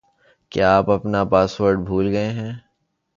کیا آپ اپنا پاسورڈ بھول گئے ہیں